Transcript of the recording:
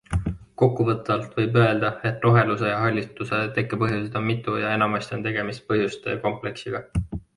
Kokkuvõtvalt võib öelda, et roheluse ja hallituse tekepõhjuseid on mitu ja enamasti on tegemist põhjuste kompleksiga.